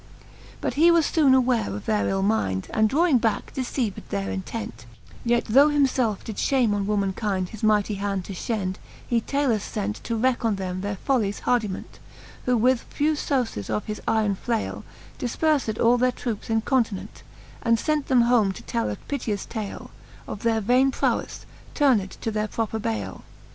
But he was Ibone aware of their ill minde, And drawing backe deceived their intent j Yet though him felfe did Ihame on womankinde His mighty hand to fhend, he Talus fent To wrecke on them their follies hardyment : Who with few fbwces of his yron flale, Difperfed all their troupe incontinent, And fent them home to tell a piteous tale Of their vain proweffe, turned to their proper bale.